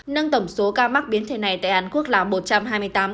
nâng tổng số ca mắc biến thể này tại hàn quốc là một trăm hai mươi tám ca